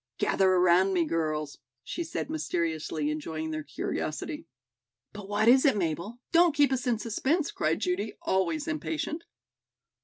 "Gather around me, girls," she said mysteriously, enjoying their curiosity. "But what is it, Mabel? Don't keep us in suspense," cried Judy, always impatient.